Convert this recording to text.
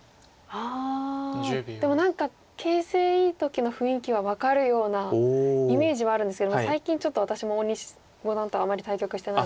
ああでも何か形勢いい時の雰囲気は分かるようなイメージはあるんですけども最近ちょっと私も大西五段とはあまり対局してないので。